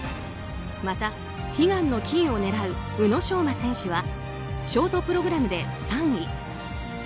また、悲願の金を狙う宇野昌磨選手はショートプログラムで３位。